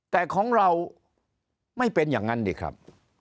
แต่ของเราไม่เป็นอย่างนั้นดิครับ